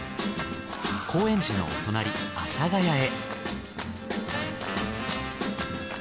高円寺のお隣阿佐ヶ谷へ。